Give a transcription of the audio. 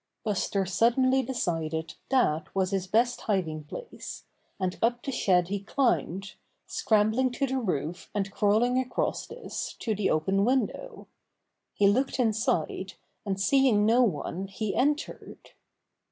Buster suddenly decided that was his best hiding place, and up the shed he climbed, scrambling to the roof and crawling across this to the open window. He looked inside, and seeing no one he entered.